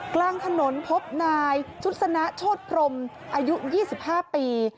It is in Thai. กลางถนนพบนายชุดสนะโชธพรมอายุ๒๕ปี